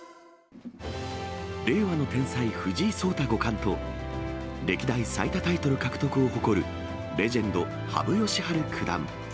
令和の天才、藤井聡太五冠と、歴代最多タイトル獲得を誇るレジェンド、羽生善治九段。